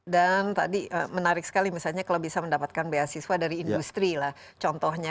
dan tadi menarik sekali misalnya kalau bisa mendapatkan beasiswa dari industri lah contohnya